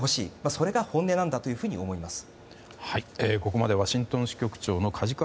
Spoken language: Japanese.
それが本音なんだと思います。